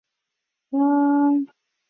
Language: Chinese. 东风菜是菊科东风菜属的植物。